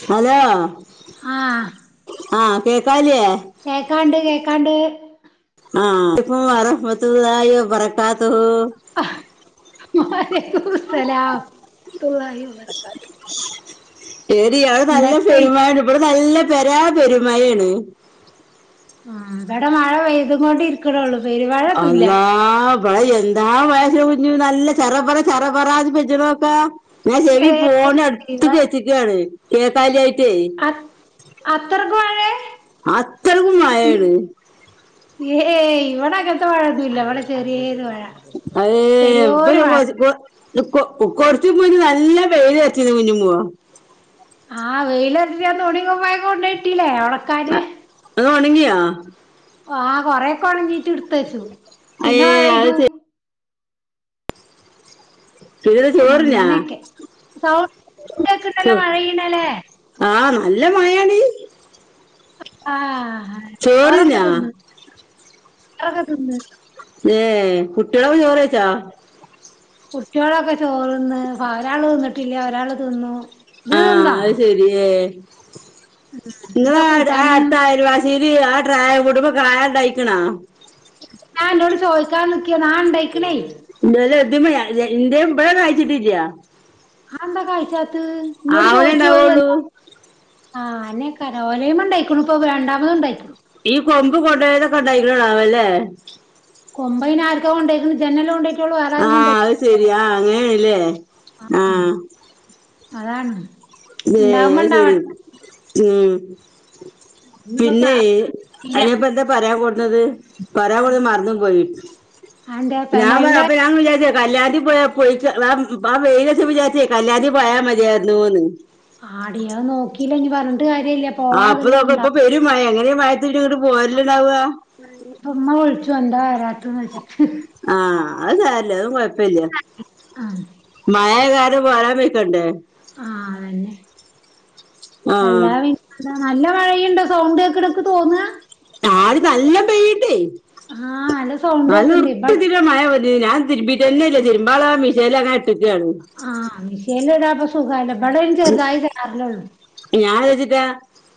[unintelligible] ആ ആ കേക്കാല്ല്യേ. കേക്കാണ്ട് കേക്കാണ്ട്. ആ [unintelligible] [unintelligible] [unintelligible] എന്തൊക്കെയി ഇബടെ നല്ല [unintelligible] പെരുമായാണ്. ആ ഇവടെ മഴ പെയ്തുങ്ങൊണ്ടി രിക്കണള്ളൂ പെരുമഴൊന്നുല്ല. അല്ലാ [unintelligible] നല്ല ചറ പറ ചറ പറാന്ന് [unintelligible] നോക്കാ. [unintelligible] ശരി ഏഹ് ഫോണ് ഇവ അടുത്ക്ക് വെച്ച്ക്കാണ് [unintelligible] അ അത്രക്ക് മഴേ [unintelligible] അത്രക്കും മയേണ്. ഏ ഇവടെ അങ്ങൻത്ത മഴെന്നുല്ല ഇവിടെ ചെറിയോര് മഴ. ചെറിയോരു മഴ [unintelligible] [unintelligible] കൊർച്ച് [unintelligible] നല്ല വെയിലെർച്ചിനു കുഞ്ഞുമ്മോ. ആ വെയിൽ [unintelligible] തുണി കുപ്പായം കൊണ്ടോയിട്ടിലേ. [unintelligible] [unintelligible] [unintelligible] ആ കൊറേക്കൊണങ്ങീട്ട് ഇടുത്തച്ചു പിന്നെ അയ്യേ മഴയ്തു. അത് സുജിത ചോറിനാ അങ്ങനെക്കെ [unintelligible] ചോ മഴയ്യണേല്ലേ. ആ നല്ല മഴേണ്. ആ ചോറൊക്ക ചോറിനാ തിന്ന് [unintelligible] ഏ കുട്ട്യേളക്കെ ചോറയ്ച്ചാ. കുട്ട്യേളൊക്കെ ചോറ്ന്ന് ഒരാള് തിന്നിട്ടില്ല ഒരാള് തിന്നു. ഇജ്ജ് ആ തിന്നോ അത് ശരി ഏ ഉം എന്താ ങ്ങളെ [unintelligible] കൂട്ടാനിന്ന് [unintelligible] കായ ണ്ടായിക്കണാ. ഞാന്നോട് ചോയ്ക്കാ നിക്കേന്നു ആ ണ്ടായിക്കുണേയ്. [unintelligible] ഇബടെ കായിച്ചിട്ടില്ല. ആന്താ കായ്ക്കാത്ത് ന്നോട് ആവണേ ചോയിച്ചു ഉണ്ടാവുള്ളൂ [unintelligible] ആ അന്നേക്കാരം ഓലേമെ ണ്ടായിക്കുണുപ്പൊ രണ്ടാമതുണ്ടായിക്കുണു. ഈ കൊമ്പ് കൊണ്ടോയതൊക്കെ ണ്ടയ്ക്കുണോ [unintelligible] കൊമ്പൈനാര്ക്കാ കൊണ്ടയ്ക്ക്ണ് ഇജന്നെല്ലേ കൊണ്ടോയ്ട്ടുള്ളൂ ആ വേറാരും [unintelligible] [unintelligible] അ ആ അതാണ്. ഏ ഇണ്ടാവുമ്പോ അത് ശെരി ഇണ്ടാവട്ടെ ഉം. ഇഞ്ഞിപ്പൊ ഇല്ലെയ് അറീല്ല അയിന്പ്പന്താ പറയാൻ കൊട്ന്നത്. പറയാ ആഹ് കൊട്ന്നത് മറനും പോയി അതെന്തേ ഞാ ഫെനോയിലിന്റെ അപ്പ ഞാ വിചാരിച്ച കല്യാണതി പോയാ കുളിച്ച് ഞാ വെയിലർച്ചപ്പ വിചാരിച് കല്യാൺതി പോയാ മതിയാരുന്നുന്ന്. ആടി അഹ് നോക്കില്ല ഇനി പറഞ്ഞ. കാര്യമല്ല. ആപ്പൊ നോക്ക ഇപ്പൊ പെരും മഴ എങ്ങനെ ഈ മയത്ജ്ങ്ങട്ട് പോരല്ണ്ടാക. ഇപ്പമ്മ വുൾച്ചു എന്താ വരാത്ത്നോയ്ച്ചിട്ട്. ആ അത് സാരല്ല അത് കൊയപ്പല്ല ആഹ് മഴായകാരം [unintelligible] [unintelligible] ആ അതന്നെ ആ അല്ലാതെപിന് അത നല്ല മഴയുണ്ടോ സൗണ്ടേക്ന് ക്ക് തോന്ന ആദി നല്ല പെയ്യ്ണ്ടയ് ആ ല്ല സൗണ്ടേക്കെട് ഇബട് മഴ വന്നു ഞാൻ തിര്മ്പീട്ടന്നല്ല തിര്മ്പാളത് ആ മിഷേൽ അങ്ങനെ ട്ട്ക്കാണ് ആ മിശേല്ടപ്പൊ സുഖലോ ബടെ അയ്ൻ ചെറുതായി ചാർലോ ഞാൻന്താച്ചിട്ടാ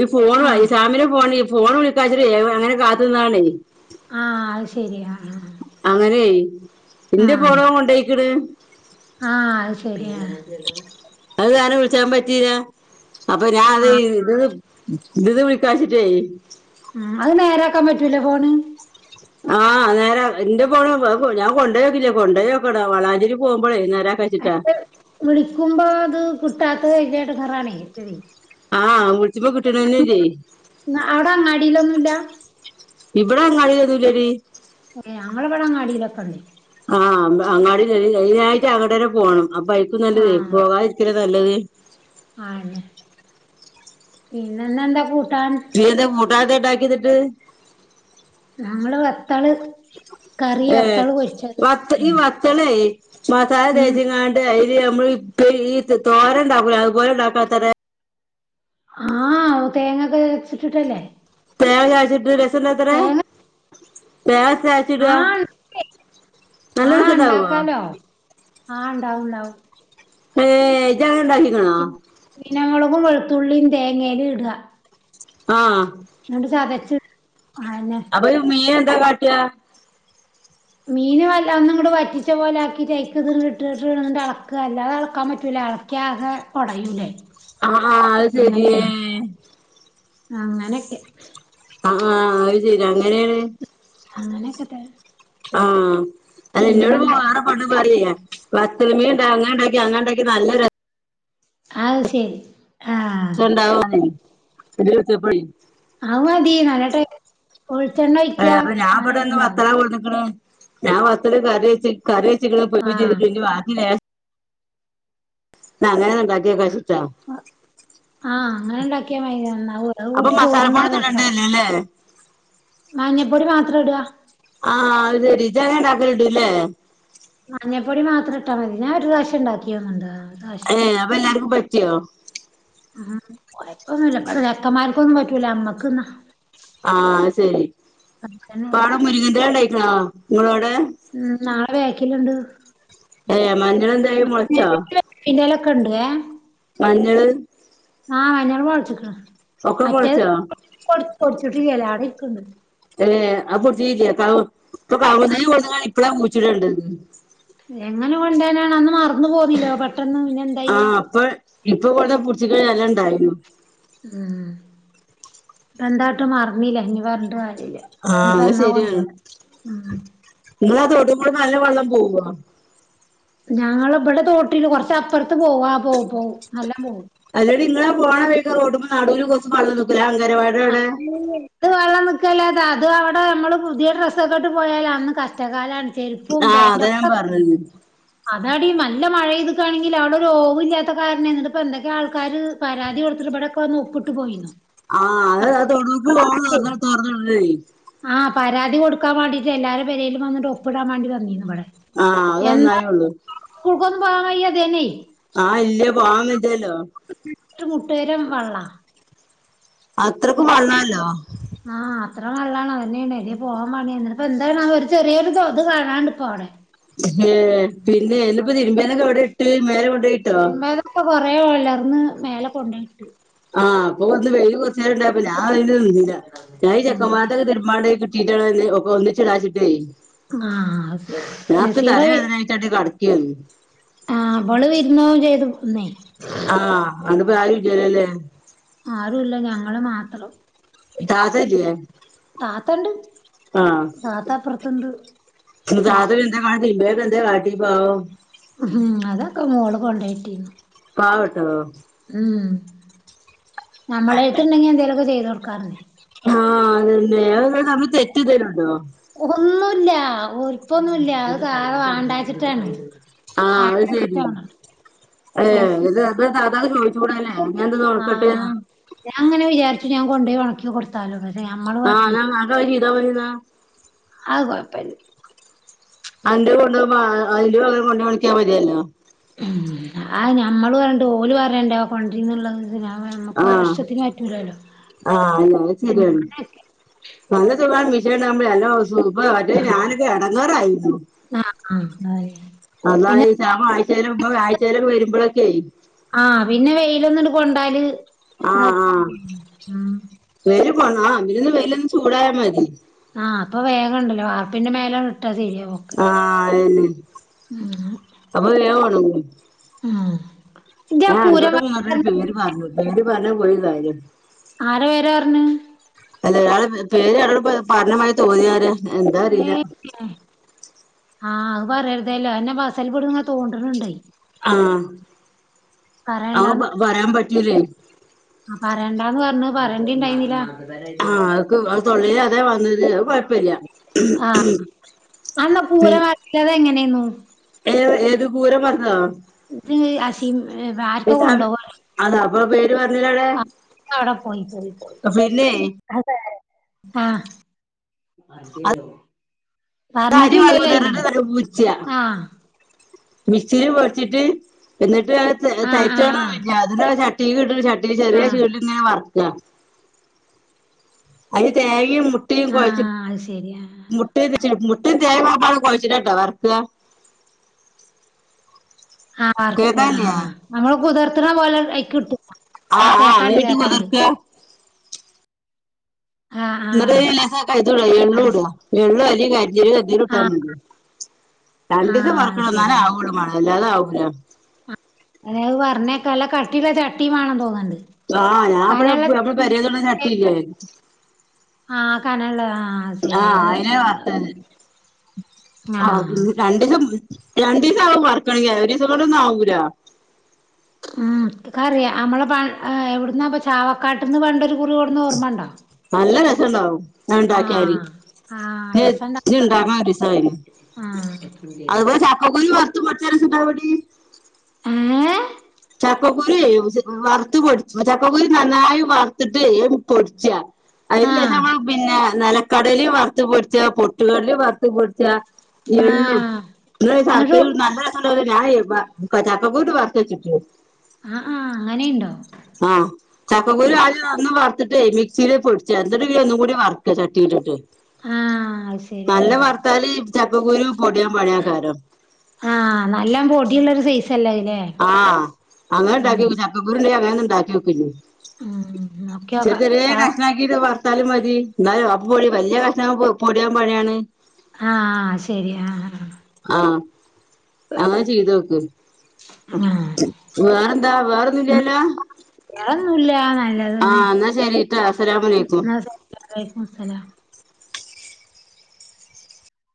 ഈ ഫോൺവായി ആഹ് സാമിനെ ഫോൺ ഫോൺ വിള് കതിര്ലെ അങ്ങനെ കാത്തുന്നാതാണേയ് ആഹ് അത് ശരി ആഹ് ആഹ് അങ്ങനെയ് ന്റെ പോറൊ കൊണ്ടയ്യ്ക്ക്‌ന് ആ അഹ് സശരി അ അഹ്കാരണം വിളിച്ചാപറ്റീല അപ്പൊ ആഹ് ഞാൻഅതെയ് ത് തിന്ന് വിളിക്കാച്ചിട്ടേയ് ഉം അഹ് നേരാക്കാൻ പറ്റൂലേ ഫോൺ ആ നേരാ ന്റെപൊൺഞാകൊണ്ടോയോകീട്ടില്ല കൊണ്ടൊയോകണം വളാഞ്ചേരി പോമ്പോയെ നേരാക്കാച്ചിട്ടാ അത് വിളിക്കുമ്പോ ത് കിട്ടാത്തത് വലിയ എടങ്ങറാനെയ് റ്റെതായ് ആ വിളിച്ചുമ്പോ കിട്ടണന്നല്ലേയ് അവടെ അങ്ങാടിയിലൊന്നുല്ല ഇവടെ അങ്ങടി വരൂലടി ഏ ങ്ങളെബടെ അങ്ങാടിയിലൊക്കെണ്ട് ആ അങ്ങാടിഅയ്നായിട്ട് അങ്ങട്ടനെ പോണം അപ്പയ്ക്കും നല്ലത് ആഹ് പോകാതിരിക്കല്ലെ നല്ലത് ആണ് പിന്നെ ന്നന്താ കൂട്ടാൻ [unintelligible] ഞങ്ങള് വത്തള് കറി ഏ വത്തള് പൊരിച്ചത് വത്ത് ഈ ഉം വത്തളെയ് ഉം മസാലതെച്ച്ങ്ങാണ്ട് അയ്ൽ മ്മള് ഈ തൊതോര ണ്ടാക്കൂലെ അഹ്പോലെ ണ്ടാക്കാനത്തരെ ആ തേങ്ങക്കെ രച്ച്ട്ട് ട്ടല്ലേ തേങ്ങഅരച്ച്ട്ട് രസല്ലത്രെ ലേസ ആ ണ്ടാക്കെയ് ആ രസണ്ടാവോ ണ്ടാകാലോ ആ ണ്ടാവും ണ്ടാവും ഏ ജങ്ങനെടാകീനോ? ചീനമൊളുകും വെളുത്തുള്ളീം തേങ്ങേൽടാ ആ ന്നട്ട് ചതച്ച് ടാ അനെ ഒരു മീ ന്താ കാട്ട മീൻ വല ഒന്ന്ങ്ങട്ട് വറ്റിച്ച പോലെ ആക്കിട്ട് അയ്ക്ക് ത് ട്ട് ഇട്ട് അളക്ക അല്ലാതെ അളക്കാൻ പറ്റൂല അളക് കിയാകെ ഒടയൂലെ ആഹ് ആഹ് അത് ശരി അങ്ങനെണ് അങ്ങനെക്കെ അആ അഹ് സെരി അങ്ങനെണ് അങ്ങനെക്കെതെ ആ അയ്നോട് പോറെ പണ്ട് പറീലെ വത്തൾമീടാതെടെൽ അങ്ങനെടാകിയ നല്ല ര അഹ് സെരി ആ [unintelligible] ഇജ്ജ് വിൾചപ്പളെ അഹ് മതി നല്ലട്ടെ വൊൽചണ്ണയ് ഏർ ഞാൻ ബടെന്ന് വത്തള കൊട്ന്ന്ക്ക്‌ൻ ഞാൻ വത്തൾ കറിച്ച് കറിച്ച്ക്ൻ പൊരിക്കും ആഹ് ചയ്ത്ക്ക് ണ് വാക്കി ലേ ന്നഅങ്ങനെന്ന്ണ്ടാക്കിയൊക്കാച്ട്ട ആഹ് അങ്ങനെ ണ്ടാക്കിയ മയി നന്നാവും അഹ് അപ്പൊ കൂട്ടി ചോർന്ന മസാലപ്പൊടി ഒന്നും രസ ഇടണ്ടല്ലോ അല്ലേ മഞ്ഞപ്പൊടി മാത്രം ഇട ആഹ് അത് ശരി ഇജ്ജങ്ങനെ ഇണ്ടാക്കല്ണ്ട്ലേ മഞ്ഞപ്പൊടി മാത്രം ഇട്ടാ മതി ഞാൻ ഒരു പ്രാവശം ഉണ്ടാക്കി യോന്നുണ്ട് ഏ അപ്പൊ എല്ലാർക്കും പറ്റിയോ ആഹ് കൊഴപ്പൊന്നുല്ല ചെർക്കന്മാർക്കൊന്നും പറ്റൂല ഞമ്മക്ക്ന്നാ ആഹ് ശരി അതന്നെ ഉള്ളു പ്പവ്ടെ മുരിങ്ങന്റെല ഇ ണ്ടായിക്കണോ ഇങ്ങളവ്ടെ ഉം നാളെ ബേക്കില്ണ്ട് ഏ മഞ്ഞളെന്തായി മൊളച്ചൊ പൊട്ടിക്കലൊക്കേണ്ട് ആ മഞ്ഞള് ആഹ് മഞ്ഞള് മൊളച്ച്ക്ക്ണ് ഒക്കെ മൊളച്ചോ പൊട് പൊട്ച്ചിട്ടില്ല അവ്ട ഇരിക്ക്ണ് ണ്ട് ഏ അത് പൊടിച്ചീട്ടില്ലേ കവ്ങ്ങും തജ് കൊട്ന്ന്ങ്ങാണ്ട് ഇപ്പളാ കുയിച്ചിടേണ്ടത് എങ്ങനെ കൊന്റാനാണ് അന്ന് മറന്നു പോന്നില്ലോ പെട്ടെന്ന് എന്തായ്യാ ആഹ് അപ്പൊ ഇപ്പൊ കൊട്ന്ന് പുടിച്ചിക്കെണെങ്കി നല്ല ണ്ടായ്നി ആഹ് ഇപ്പെന്താട്ടു മറന്നിലെ ഇഞ്ഞി പറഞ്ഞിട്ടേ ആഹ് അത് ശരിയാണ് ഉം ഇങ്ങളാ തോടു ക്കൂടെ നല്ല വള്ളം പോകോ ഞങ്ങളെ ഇബടെ തോട്ടില് കൊറച്ച് അപ്പറത്ത് പോവും ആ പോവും പോവും നല്ലോം പോവും അല്ലെടി ഇങ്ങള പോണ വയ്ക്ക് റോടുമ്പോ നാടൂൽ കൊർച്ച് മണ്ണ് ലഗന്വടി അഹ് അത് വെള്ളം നിക്കല അത് അത് അവടെ നമ്മള് പുതിയ ഡ്രസ്സൊക്കെ ഇട്ട് പോയാല് അന്ന് കഷ്ടകാലണ് ചെരിപ്പും ആഹ് അതാ പേന്റോക്ക ഞാൻ ന പറഞ്ഞത് അതാടി നല്ല മഴപെയ്ത്ക്കാണെങ്കിൽ അവിടെ ഒരു ഓവ് ഇല്ലാത്ത കാരണം ന്ന്ട്ട് പ്പൊ എന്തൊക്കെ ആൾക്കാര് പരാതി കൊടുത്തിട്ട് ഇവടൊക്കെ വന്ന് ഒപ്പിട്ട് പോയിന്നു ആഹ് അതാ തൊടൂക്ക് പോണോട്ത് തൊറന്ന് വുടെൻണ്ടീന്ന് ആഹ് പരാതി കൊടുക്കാൻ വേണ്ടീട്ട് എല്ലാരെ പെരേലും വന്നിട്ട് ഒപ്പിടാൻ വേണ്ടി വന്നിന്ന്ഇവടെ ആഹ് അത് നന്നായള്ളൂ സ്കൂളിള്ക്കൊന്നും പോവാൻ വയ്യ അതേനെ ആഹ് ഇല്ല പോവാൻ വജ്ജലോ മുട്ടുവരേം വള്ള അത്രയക്കും വെള്ളാലോ ആഹ് അത്ര വള്ളാണ് അതന്നെണ് അത്യേ പോവാൻ പണിയാണ് ന്ന്ട്ട്പ്പൊ എന്താണാ വോ ഒരു ചെറേരു തോത് കാണാണ്ട് ഇപ്പോ അവിടെ ഏ പിന്നെ ഇന്നിപ്പോ തിരുമ്പിയതൊക്കെ എവടെ ഇട്ട് മേലെ കൊണ്ടോ തിരുമ്പേത് പ്പോ കൊറേ ഒലർന്ന് മേലെ കൊണ്ടയിട്ട് ആഹ് അപ്പ കൊറച്ച് വെയില് കൊറചേരം ണ്ടായപ്പൊ ഞാ അയിന് നിന്നില ഞാൻ ഇ ഉം ചെക്കമ്മാര്ട ഒക്കെ തിരുമ്പാണ്ടായന്ന് ത്തിൻ്റെ ഒന്നിച്ചിടാച്ചിട്ടേ ആഹ് നസീറ [unintelligible] കടക്കെന്നു ആ ബള് വിരുന് പോകും ചെയ്തു ന്നേ ആഹ് അതോണ്ട് പ്പോ ആരുല്ലല്ലേ ല്ലെ ആരുല്ല ഞങ്ങള് മാത്രം താത്തല്ലേ താത്തണ്ട് ആഹ് താത്ത അപ്പുറത്ത്ണ്ട് [unintelligible] കാട്ടി പ്പോ ഉം ഹും അതൊക്കെ മോൾ കൊണ്ടോ യിട്ടിനു പാവട്ടോ ഉം നമ്മളെര്ത്ണ്ടെങ്കി എന്തേലൊക്കെ ചെയ്ത് കൊടുക്കാറ്ന് ഞ്ഞ് ആഹ് അതന്നെ അദ് ഇങ്ങള് തമ്മിൽ തെറ്റ് എന്തേലും ഉണ്ടോ ഒന്നുല്ല ഒൽ പ്പൊന്നുല്ല അത് വാണ്ടച്ചിട്ടാണ് ആഹ് അത് ശരി ഏ ഇത് അത് താ ത്തക് ചോദിച്ച് കൂടല്ലേ [unintelligible] ആഹ് ഞാൻ അങ്ങനെ വിചാരിച്ചു ഞാൻ കൊണ്ടോയി ആകി കൊടുത്താലോ പക്ഷെ നമ്മ ആഹ് ഞാ [unintelligible] അഹ് കൊഴപ്പല്ല അന്റെ കൊണ്ട് പോകുമ്പോ [unintelligible] മതിയല്ലോ ഉം ആത് ഞമ്മള് പറണ്ട് ഓല് പറെണ്ടെ കൊണ്ടിരുന്നുള്ളത് ഇതി ആഹ് ആഹ് അത് ശരിയാണ് അങ്ങനൊക്കെ നല്ല സുഖാ [unintelligible] സുഖാ അല്ലേൽഞാനൊക്കെ ഇടങ്ങേ റായിരുന്നു ആഹ് അതാ പിന്നെ ഈ ശാമം ആഴ്ചയില ഉമ്മ ആഴ്ചയിലൊക്കെ വരുമ്പോഴൊക്കെ ആഹ് പിന്നെ വെയിലൊന്നുട് കൊണ്ടാല് ആഹ ഇതാക്കി ആഹ ഉം വേര് പോണം പിന്നെ വെയിൽ ഒന്ന് ചൂടായ മതീ ആഹ് അപ്പോ വേഗ ഉണ്ടല്ലോ വാർപ്പിന്റെ മേലെ ഇട്ടാ ശെരിയ ആഹ് അതെന്നെ ഉം അപ്പോ വേം ഉണങ്ങും ഉം ഇജ് ആ കൂരം രണ്ടോട്ടം മൂന്നോട്ടം [unintelligible] [unintelligible] പറഞ്ഞ പോയി കാര്യം ആര പേര പറഞ്ഞേ അല്ല അയാൾ പേര് പറഞ്ഞമതിരി തോന്നിന്നറിയാ എന്താ അറിയില്ല ആഹ് അത് പറയരുതല്ലോ അയെന്നേ ചിലപ്പോ അങ്ങനെ തൊണ്ട് ന് ണ്ടേ ആഹ് അവും പറയണ്ടാന്ന് പറയാൻ പറ്റൂലേ ആ പറയേണ്ടാന്ന് പറഞ്ഞു പറയേണ്ടി ഇണ്ടായിരുന്നില്ല ആ അ തൊളെൽ അതാ വന്നത് അത് കുഴപ്പ പ്പല്യ ഇത്ത അതെങ്ങനെന്നു ഏ ഏത് കൂരം വർത്തതോ [unintelligible] ആർക്കെ കൊണ്ടപോകോ അതാ അപ്പൊ പേര് പറഞ്ഞില്ലടെ അവടെ പോയി പോയി പോയി പിന്നെ അതെ ആഹ് [unintelligible] ആ മിക്സിയിൽ പൊടിച്ചിട്ട് എന്നിട്ട് അത് ആ ആ ആ തരിച്ചോണം ഇല്ല അത് തീ ഇടുന്ന ചട്ടി ആ ചെറിയ ചൂടിൽ ങ്ങനെ വറുക്കുക അയിൽ തേങ്ങയും മുട്ടയും കുഴച്ച് ആഹ് അത് ശരിയാ മുട്ടയും തേങ്ങയും ഒകെ കുഴച്ചിട്ടാ ട്ടോ വർക്ക ആഹ് കേക്കാല്ലേ വർക്ക്ആഹ് നമ്മള് കുതിർത്തണ പോലെ കൈയിക്കിട്ടും ആ കേക്കാണ്ട് കേക്കാണ്ട് ആഹ് എന്നിട്ട് ആഹ് അതിലേക്ക് ലേശം എള്ളൂ അത് ശ ഇടാ എള്ളു അരി കരിഞ്ചീരകം ഇട്ടാ ആഹ് മതി രണ്ടീസം ആഹ് അത് വർക്കണം ന്നാലെ ശരിയാ ആവോല്ലു മളെ അല്ലാതെ അവൂല അതേ അത് പറഞ്ഞേക്ക നല്ല കട്ടിയുള്ള ചട്ടി വേണം തോന്നണ്ട് ആഹ് ഞാൻ ഇവിടെ നമ്മൾ പേരൽ ഉള്ള ചട്ടില്ലേ ആഹ് കനം ഉള്ള ആ ശരിയ അയില് ആക്കിണ്ടാവൂല്ലേ ആഹ് ശരി രണ്ടിസം രണ്ടീസം ആകും വറുക്കണെങ്കെ ഒരു ദിവസം കൊണ്ട് ഒന്നും ആവൂല ഉം ക്കറിയ നമ്മളെ പ എവിടുന്നപ്പ ചാവക്കാട്ടന്ന് പണ്ടൊരു കുറി കൊട്ന്ന ഓർമ്മണ്ടോ നല്ല രസണ്ടാവും ഞാൻ ഉണ്ടാക്കിയാല് ആഹ് ആഹ് ച്ച് രസണ്ടാവും പറഞ്ഞു ണ്ടാക്കാണം ഒരൂസംഏയാലും ആഹ് അതുപോലെ ചക്കക്കുരു വർ ച്ച് പച്ചരച്ചിട്ടാ മതി ഏഹ് ചക്കക്കുരെയ് വറുത്ത് പൊടിച്ച ചക്കക്കുരു നന്നായി വറുത്തിട്ട് അ ന്ന് പൊടിച്ചാ അയ്ലേശം ആഹ് നമ്മൾ പിന്നെ നിലക്കടലി വറുത്തുപൊടിച്ച പൊട്ടുകടലലി വറുത്തു പൊടിച്ച. എള്ളും ആഹ് പിന്നെ ഒര് എന്നിട്ട് ശർക്കരിം നല്ലരെസണ്ടാവും ഞാനെ ചക്കക്കുരു ണ്ട് വർത്തെച്ചിട്ട് ആഹ് ആഹ് അങ്ങനിംണ്ടോ ആഹ്. ചക്കുരു ആദ്യം ഒന്ന് വറ്ത്തിട്ടേ മിക്സിയിൽ പൊടിച്ച എന്നിട്ട് ഒന്ന്കൂടി വർക്ക ചട്ടിലിട്ടിട്ട്. ആഹ് അത് ശരി നല്ലം ആഹ് വറുത്താല് ചക്കക്കുരു പൊടിയാൻ പണിയാക്കാരം. ആഹ് നല്ലം പൊടിള്ളൊരു സൈസ് ള്ളെയ് ല്ലേ ആഹ് അങ്ങനെ ഉം ഇണ്ടാക്ക്യോക്ക് ചക്കക്കുരുണ്ടെ അങ്ങന ഒന്ന് ഉണ്ടാക്ക്യോക്ക് ന്നു ഉം ചെറി നോക്കിയോക്കാം ചെറേ ഷാ കഷ്ണ ക്കിട്ട് വർത്താലും മതി. എന്നാലും അപ്പ പൊടിം വല്യ കഷ്ണംങ്ങൾ പൊടിയാൻ പണിയാണ്. ആഹ് ശെരി ആഹ്. ആഹ് അങ്ങനെ ചെയ്തോക്ക്. ആഹ് വേറെന്താ ഉം വേറൊന്നുംല്ല്യേലോ വേറൊന്നുല്ല നല്ലതെന്നെ എന്നാ ശരിട്ടാ അസ്സലാമലൈക്കും ന്നാ സെരി വലൈകുംമുസലാം.